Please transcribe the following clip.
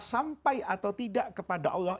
sampai atau tidak kepada allah